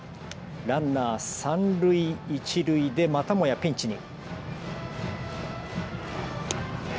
ランナー三塁一塁でまたもやピンチに。